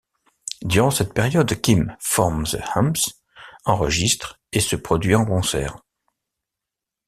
Durant cette période, Kim forme The Amps, enregistre, et se produit en concert.